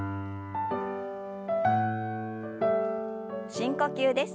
深呼吸です。